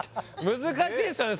難しいっすよね